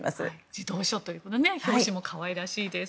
児童書ということで表紙も可愛らしいです。